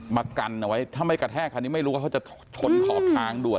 มากันเอาไว้ถ้าไม่กระแทกคันนี้ไม่รู้ว่าเขาจะชนขอบทางด่วน